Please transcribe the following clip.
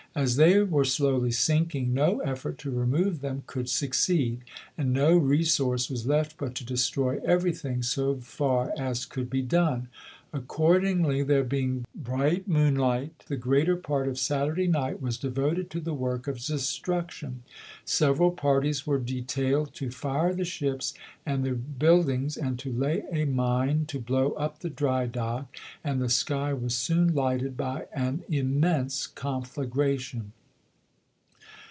As they were slowly sinking, no effort to remove them could succeed, and no resource was left but to destroy everything so far as could be done. Ac cordingly, there being bright moonlight, the greater part of Saturday night was devoted to the work of destruction. Several parties were detailed to fire the ships and the buildings and to lay a mine to blow up the dry dock, and the sky was soon lighted by an immense conflagration.